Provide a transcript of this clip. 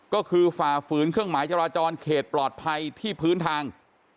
ก็คือฝ่าฝืนเครื่องหมายจราจรเขตปลอดภัยที่พื้นทาง